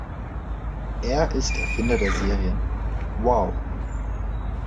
Er ist Erfinder der Serien "Wow!